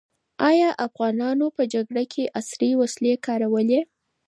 ایا افغانانو په جګړه کې عصري وسلې کارولې؟